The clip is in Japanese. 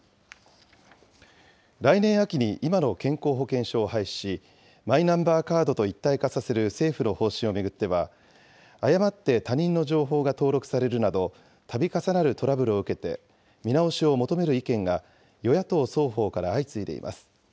来年秋に今の健康保険証を廃止し、マイナンバーカードと一体化させる政府の方針を巡っては、誤って他人の情報が登録されるなど、たび重なるトラブルを受けて見直しを求める意見が、与野党双方から相次いでいます。